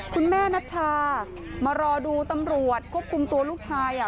คุณแม่นัชชามารอดูตำรวจควบคุมตัวลูกชาย